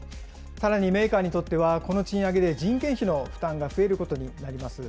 さらにメーカーにとってはこの賃上げで人件費の負担が増えることになります。